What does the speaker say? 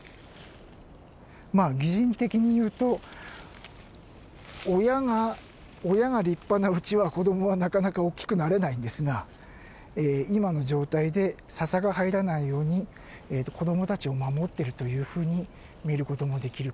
まあ擬人的にいうと親が親が立派なうちは子どもはなかなかおっきくなれないんですが今の状態でササが入らないように子どもたちを守ってるというふうに見る事もできるかもしれません。